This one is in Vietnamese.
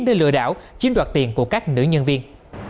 để lừa đảo chiếm đoạt tiền của các nữ nhân viên